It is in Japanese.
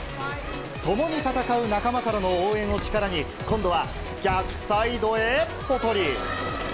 共に戦う仲間からの応援を力に、今度は逆サイドへぽとり。